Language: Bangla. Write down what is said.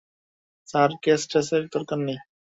স্যার, কেসটেসের দরকার নেই।